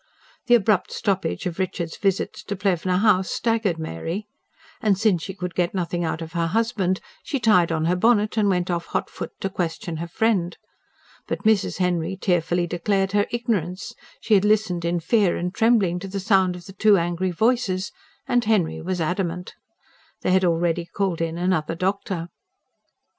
The abrupt stoppage of Richard's visits to Plevna House staggered Mary. And since she could get nothing out of her husband, she tied on her bonnet and went off hotfoot to question her friend. But Mrs. Henry tearfully declared her ignorance she had listened in fear and trembling to the sound of the two angry voices and Henry was adamant. They had already called in another doctor.